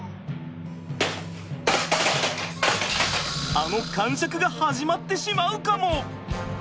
あのかんしゃくが始まってしまうかも。